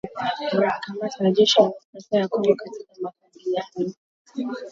wamekamatwa na jeshi la Demokrasia ya Kongo katika makabiliano